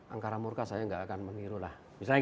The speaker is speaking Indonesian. angkara murka saya gak akan mengirulah